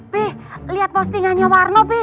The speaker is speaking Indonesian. pih liat postingannya warno pih